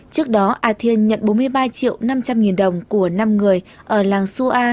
trước đó a thiên nhận bốn mươi ba triệu năm trăm linh nghìn đồng của năm người ở làng su a